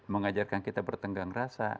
mengajarkan kita bertenggang rasa